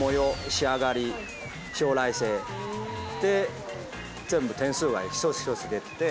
仕上がり将来性で全部点数が一つ一つ出て。